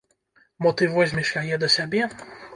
Мо ты возьмеш яе да сябе?